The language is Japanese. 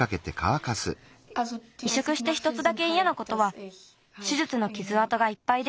いしょくしてひとつだけいやなことはしゅじゅつのきずあとがいっぱいできたこと。